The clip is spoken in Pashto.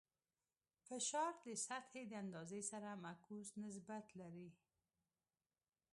فشار د سطحې د اندازې سره معکوس نسبت لري.